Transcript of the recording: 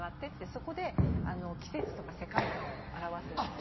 そこで季節とか世界観を表すんですよ。